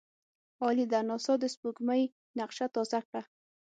عالي ده! ناسا د سپوږمۍ نقشه تازه کړه.